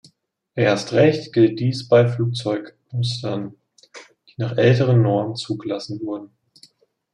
Erst recht gilt dies bei Flugzeugmustern, die nach älteren Normen zugelassen wurden.